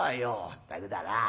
「まったくだな。